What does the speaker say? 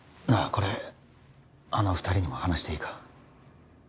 これあの２人にも話していいか？